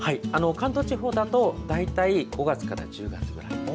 関東地方だと大体５月から１０月くらい。